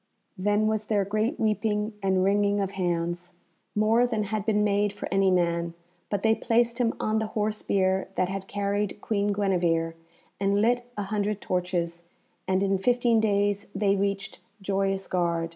Then was there great weeping and wringing of hands, more than had been made for any man; but they placed him on the horse bier that had carried Queen Guenevere, and lit a hundred torches, and in fifteen days they reached Joyous Gard.